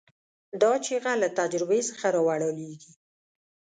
دا چیغه له تجربې څخه راولاړېږي.